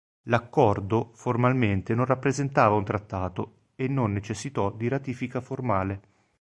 L'accordo formalmente non rappresentava un trattato e non necessitò di ratifica formale.